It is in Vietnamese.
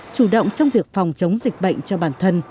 chủ động trong việc phòng chống dịch bệnh cho bản thân